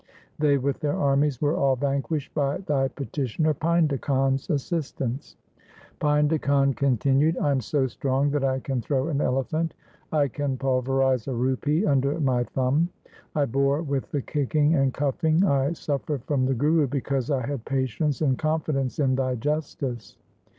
They with their armies were all vanquished by thy petitioner Painda Khan's assistance.' Painda Khan continued, ' I am so strong that I can throw an elephant. I can pulverize a rupee under my thumb. I bore with the kicking and cuffing I suf fered from the Guru because I had patience and con fidence in thy justice.